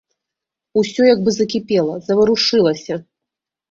Усё як бы закіпела, заварушылася.